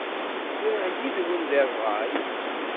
Ddiɣ yid-wen deg ṛṛay.